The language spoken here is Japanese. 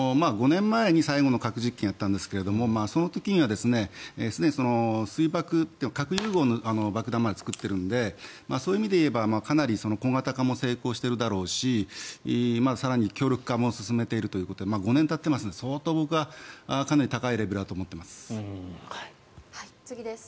５年前に最後の核実験をやったんですがその時にはすでに水爆核融合の爆弾まで作っているのでそういう意味で言えばかなり小型化も成功してるだろうし更に強力化も進めているということで５年たっているので相当、僕はかなり高いレベルだと思っています。